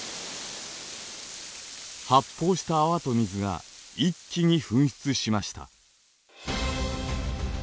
発泡した泡と水が一気に噴出しました。